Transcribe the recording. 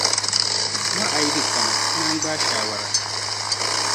Ma ayi di kana, ti naa gbaai shaawara.